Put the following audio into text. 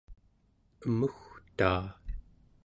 emugtaa